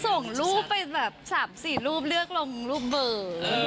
ส่งรูปไปแบบ๓๔รูปเลือกลงรูปเบอร์